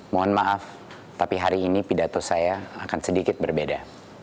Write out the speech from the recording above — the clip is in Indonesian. mohon maaf tapi hari ini pidato saya akan sedikit berbeda